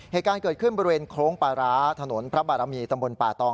เหตุการณ์เกิดขึ้นบริเวณโค้งปลาร้าถนนพระบารมีตำบลป่าตอง